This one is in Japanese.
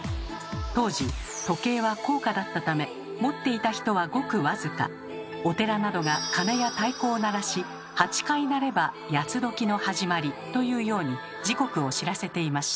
当時時計は高価だったためお寺などが鐘や太鼓を鳴らし８回鳴れば八つ刻の始まりというように時刻を知らせていました。